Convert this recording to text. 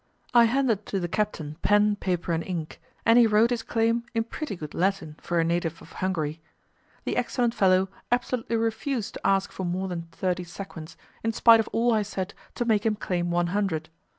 I handed to the captain pen, paper and ink, and he wrote his claim in pretty good Latin for a native of Hungary. The excellent fellow absolutely refused to ask for more than thirty sequins, in spite of all I said to make him claim one hundred.